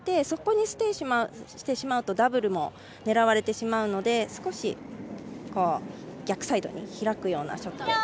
そこにステイしてしまうとダブルも狙われてしまうので少し、逆サイドに開くようなショット。